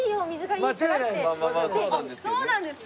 そうなんですか？